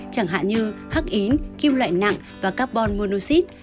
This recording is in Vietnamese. chẳng hạn như hắc ín kim loại nặng và carbon monoxide